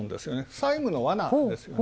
債務のワナですよね。